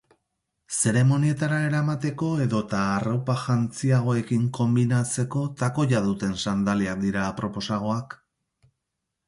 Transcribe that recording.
Zeremonietara eramateko edota arropa jantziagoekin konbinatzeko, takoia duten sandaliak dira aproposagoak.